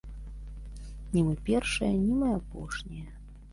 Не мы першыя, не мы апошнія.